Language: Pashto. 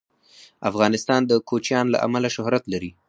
افغانستان د کوچیان له امله شهرت لري.